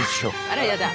あらやだ。